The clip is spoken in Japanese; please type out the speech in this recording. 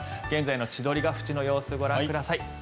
現在の千鳥ヶ淵の様子ご覧ください。